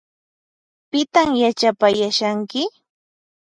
Pitan yachapayashanki?